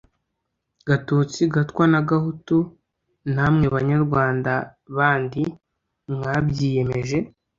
Gatutsi, Gatwa na Gahutu Namwe Banyarwanda bandi mwabyiyemeje,